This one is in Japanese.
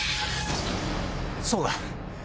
そうだ！